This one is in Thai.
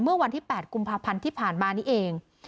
เมื่อวันที่๘กุมภาพันธ์ที่ผ่านมานี้เอง